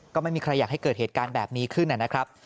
ก็ไม่มีใครอยากให้เกิดเหตุการณ์แบบนี้ขึ้นนะครับ